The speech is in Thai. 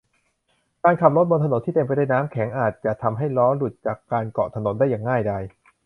การขับรถบนถนนที่เต็มไปด้วยน้ำแข็งอาจจะทำให้ล้อรถหลุดจากการเกาะถนนได้อย่างง่ายดาย